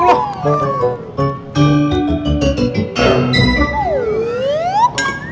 ladung ke wow